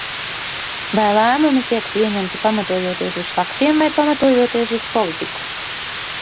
Vai lēmumi tiek pieņemti, pamatojoties uz faktiem vai pamatojoties uz politiku?